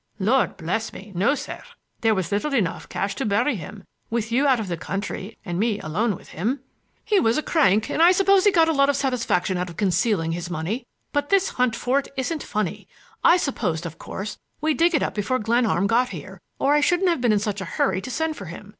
"Lord bless me, no, sir! There was little enough cash to bury him, with you out of the country and me alone with him." "He was a crank and I suppose he got a lot of satisfaction out of concealing his money. But this hunt for it isn't funny. I supposed, of course, we'd dig it up before Glenarm got here or I shouldn't have been in such a hurry to send for him.